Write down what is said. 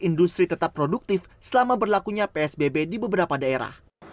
industri tetap produktif selama berlakunya psbb di beberapa daerah